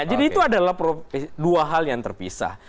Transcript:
jadi itu adalah dua hal yang terpisah